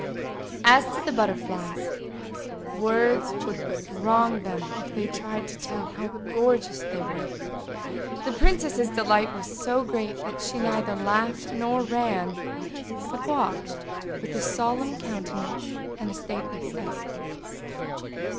As to the butterflies, words would but wrong them if they tried to tell how gorgeous they were. The princess's delight was so great that she neither laughed nor ran, but walked about with a solemn countenance and stately step.